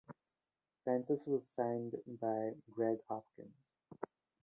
Francis was signed by Greg Hopkins.